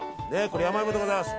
これ山いもでございます。